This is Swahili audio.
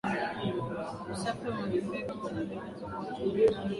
Usafi wa mazingira kama unavyoelezwa kwa ujumla na Shirika la Afya Duniani